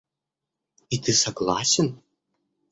И ты согласен?